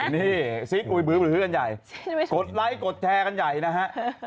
นี่ซีกอุยบื้อหือกันใหญ่กดไลค์กดแชร์กันใหญ่นะฮะ